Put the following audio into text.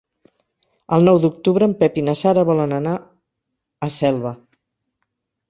El nou d'octubre en Pep i na Sara volen anar a Selva.